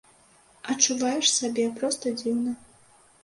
Адчуваеш сабе проста дзіўна.